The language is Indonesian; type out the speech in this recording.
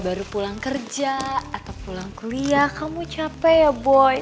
baru pulang kerja atau pulang kuliah kamu capek ya boy